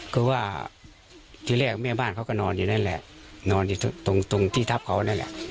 ก็ว่าที่แรกแม่บ้านเขาก็นอนอยู่นั่นแหละนอนอยู่ตรงตรงที่ทับเขานั่นแหละ